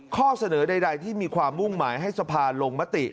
ข้อเสนอใดที่มีความมุ่งหมายให้สภาลงมติ